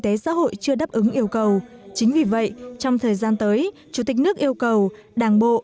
tế của đội chưa đáp ứng yêu cầu chính vì vậy trong thời gian tới chủ tịch nước yêu cầu đảng bộ